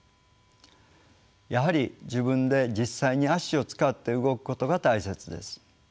やはり自分で実際に足を使って動くことが大切です。